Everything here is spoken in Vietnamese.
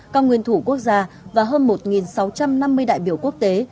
các nguyên thủ quốc gia và hơn một sáu trăm năm mươi đại biểu quốc tế